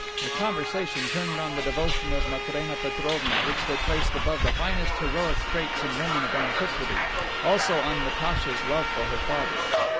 The conversation turned on the devotion of Matrena Petrovna, which they placed above the finest heroic traits in the women of antiquity, and also on Natacha's love for her father.